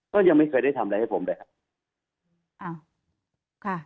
ก็ยังไม่เคยได้ทำอะไรให้ผมเลยครับ